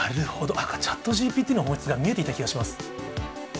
なんかＣｈａｔＧＰＴの本質が見えてきた気がします。